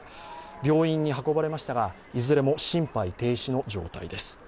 病院に運ばれましたがいずれも心肺停止の状態です。